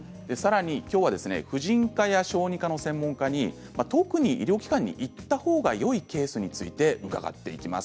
きょうは婦人科や小児科の専門科に特に医療機関に行ったほうがよいケースについて伺っていきます。